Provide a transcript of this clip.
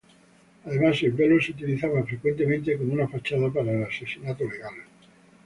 Además el duelo se utilizaba frecuentemente como una fachada para el asesinato legal.